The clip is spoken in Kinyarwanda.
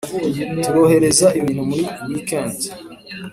turohereza ibintu muri weekend